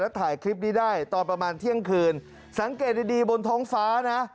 ถ่ายคลิปนี้ได้ตอนประมาณเที่ยงคืนสังเกตดีดีบนท้องฟ้านะ